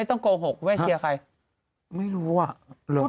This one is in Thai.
ตรงคุณแม่เชียวใคร